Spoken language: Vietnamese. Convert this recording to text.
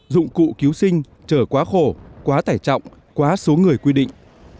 dụng cụ cứu sinh trở quá khổ quá tải trọng quá số người quy định